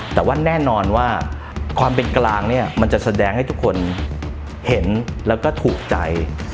แต่ว่าแน่นอนว่าความเป็นกลางเนี่ยมันจะแสดงให้ทุกคนเห็นแล้วก็ถูกใจ